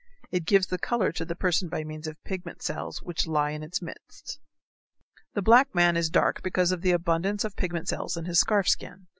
It gives the color to the person by means of pigment cells which lie in its midst. The black man is dark because of the abundance of pigment cells in his scarf skin.